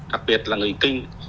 đặc biệt là người kinh